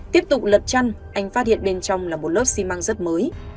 tiếp tục lật chăn anh phát hiện bên trong là một lớp xi măng rất mới